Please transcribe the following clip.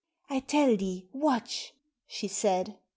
"I tell thee, watch," she said.